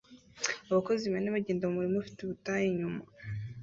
Abakozi bane bagenda mu murima ufite ubutayu inyuma